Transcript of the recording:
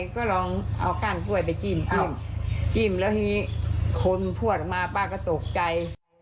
ก็ลองเอาก้านถ้วยไปจิ้มจิ้มแล้วที่คนพ่วนมาป้าก็โต๊ะใจ